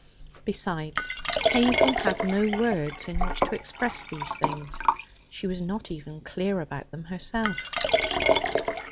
Besides, Hazel had no words in which to express these things; she was not even clear about them herself.